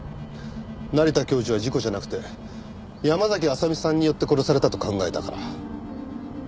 成田教授は事故じゃなくて山嵜麻美さんによって殺されたと考えたから。